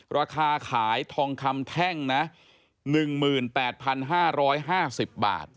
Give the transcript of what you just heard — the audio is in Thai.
ราคาขายทองคำแท่งนะ๑๘๕๕๐บาท